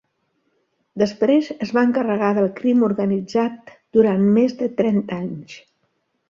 Després es va encarregar del crim organitzat durant més de trenta anys.